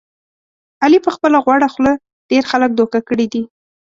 علي په خپله غوړه خوله ډېر خلک دوکه کړي دي.